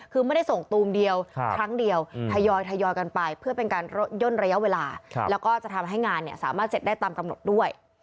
คือไม่ได้ส่งตูมเดียวครั้งเดียวทยอยกันไปเพื่อเป็นการย่นระยะเวลาแล้วก็จะทำให้งานสามารถเสร็จได้ตามกำหนดด้วย